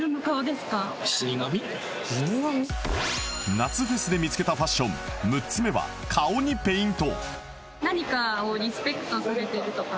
夏フェスで見つけたファッション６つ目は顔にペイント